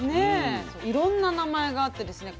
いろんな名前があってですね